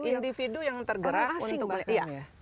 individu yang tergerak untuk beli